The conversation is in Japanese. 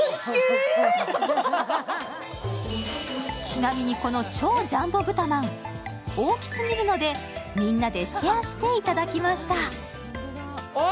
ちなみにこの超ジャンボブタまん、大きすぎるのでみんなでシェアして頂きました。